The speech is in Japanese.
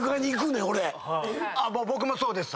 僕もそうです。